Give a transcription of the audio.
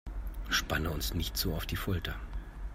Spanne uns nicht so auf die Folter